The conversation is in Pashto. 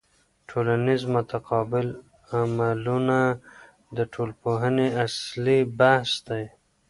ټولنیز متقابل عملونه د ټولنپوهني اصلي بحث دی.